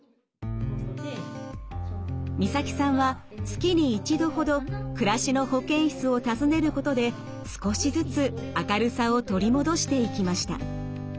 ミサキさんは月に１度ほど「暮らしの保健室」を訪ねることで少しずつ明るさを取り戻していきました。